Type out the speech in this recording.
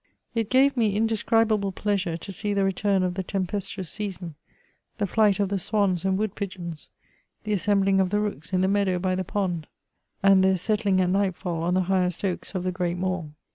It gave me indescribable pleasure to see the return of the t^npestuotis season, the flight of the swans and wood pigeons, the assembling of the rooks in the meadow by the pond, and their settling at nightfiidl on the highest oaks of the great Mall.